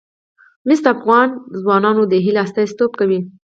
مس د افغان ځوانانو د هیلو استازیتوب کوي.